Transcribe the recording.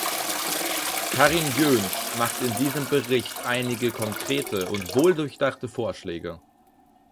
Karin Jöns macht in diesem Bericht einige konkrete und wohldurchdachte Vorschläge.